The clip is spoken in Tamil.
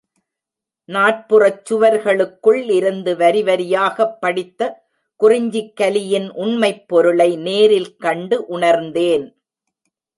நாற்புறச் சுவர்களுக்குள் இருந்து வரிவரியாகப் படித்த குறிஞ்சிக் கலியின் உண்மைப் பொருளை நேரில் கண்டு உணர்ந்தேன்.